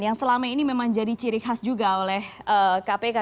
yang selama ini memang jadi ciri khas juga oleh kpk